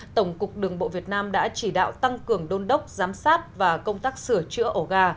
tổng cục đường bộ việt nam đã chỉ đạo tăng cường đôn đốc giám sát và công tác sửa chữa ổ gà